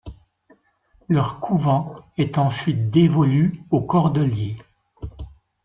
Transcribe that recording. Leur couvent est ensuite dévolu aux Cordeliers.